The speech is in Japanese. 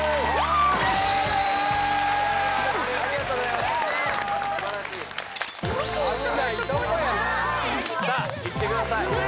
でーすさあいってください